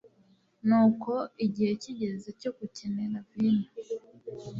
Nuko igihe kigeze cyo gukenera vino,